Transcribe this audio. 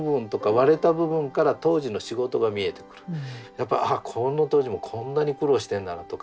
やっぱああこの当時もこんなに苦労してんだなとか